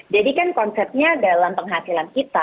jadi kan konsepnya dalam penghasilan kita